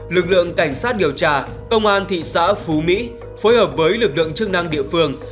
lực lượng cảnh sát điều tra công an thị xã phú mỹ phối hợp với lực lượng chức năng địa phương